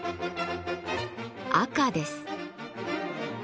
赤です。